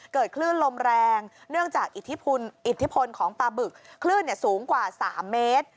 เกิดคลื่นลมแรงเนื่องจากอิทธิพลของปาบึกคลื่นสูงกว่า๓เมตร